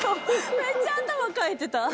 めっちゃ頭かいてた。